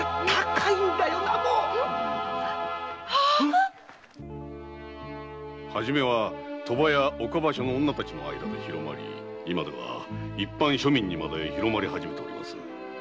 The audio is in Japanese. あ⁉あ⁉初めは賭場や岡場所の間で広まり今では一般庶民にまで広まり始めております。